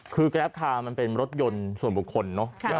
คือแกรปคาร์มันเป็นรถยนต์ส่วนบุคคลเนอะ